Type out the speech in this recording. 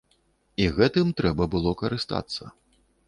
І гэтым трэба было карыстацца.